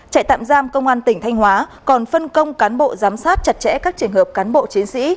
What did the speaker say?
trại tạm giam công an tỉnh thanh hóa còn phân công cán bộ giám sát chặt chẽ các trường hợp cán bộ chiến sĩ